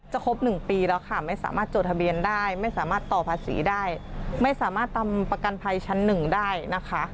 ครบ๑ปีแล้วค่ะไม่สามารถจดทะเบียนได้ไม่สามารถต่อภาษีได้ไม่สามารถทำประกันภัยชั้นหนึ่งได้นะคะ